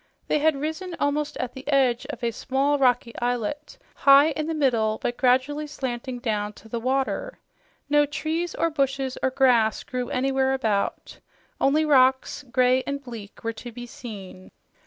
They had risen almost at the edge of a small, rocky islet, high in the middle, but gradually slanting down to the water. No trees or bushes or grass grew anywhere about; only rocks, gray and bleak, were to be seen.